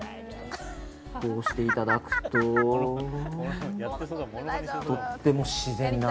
こうしていただくととっても自然な。